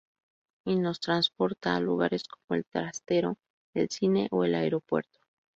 Y nos transporta a lugares como el "trastero", "el cine" o "el aeropuerto".